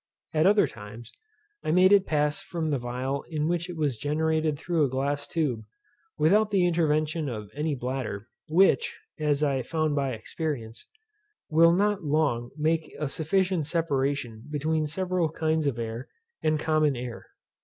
At other times, I made it pass from the phial in which it was generated through a glass tube, without the intervention of any bladder, which, as I found by experience, will not long make a sufficient separation between several kinds of air and common air.